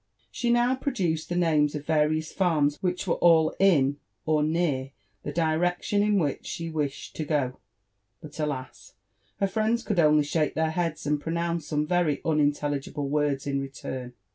She now pronounced the names of various farms which were all in or near the direction in which she wished to^ go ;— but, alas! her friends could only shake their heads and pronounce some very unintelligible words in return.